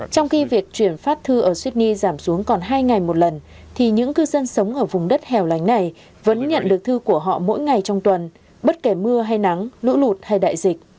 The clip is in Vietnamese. trong khi việc chuyển phát thư ở sydney giảm xuống còn hai ngày một lần thì những cư dân sống ở vùng đất hẻo lánh này vẫn nhận được thư của họ mỗi ngày trong tuần bất kể mưa hay nắng lũ lụt hay đại dịch